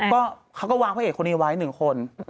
ก็เขาก็วางพระเอกคนนี้ไว้๑คน